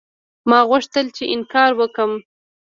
ما غوښتل چې انکار وکړم.